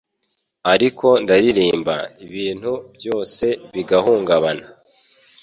Ariko ndaririmba, ibintu byose bigahungabana